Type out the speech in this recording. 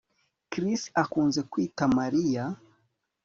Chris akunze kwita Mariya